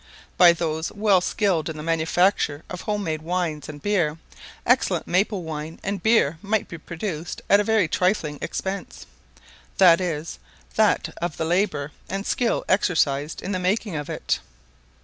By those well skilled in the manufacture of home made wines and beer, excellent maple wine and beer might be produced at a very trifling expense; i.e. that of the labour and skill exercised in the making it.